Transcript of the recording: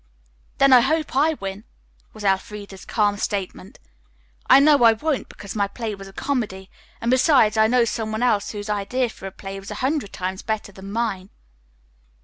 "Then I hope I win," was Elfreda's calm statement. "I know I won't, because my play was a comedy, and, besides, I know some one else whose idea for a play was a hundred times better than mine."